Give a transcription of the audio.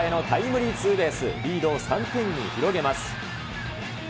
リードを３点に広げます。